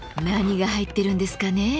何が入ってるんですかね？